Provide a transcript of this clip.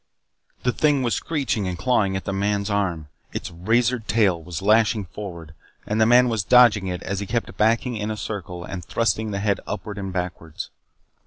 The thing was screeching and clawing at the man's arm. Its razored tail was lashing forward and the man was dodging it as he kept backing in a circle and thrusting the head upward and backwards.